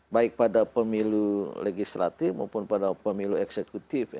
baik pada pemilu legislatif maupun pada pemilu eksekutif